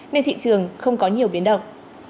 nên thị trường không có nhiều biến động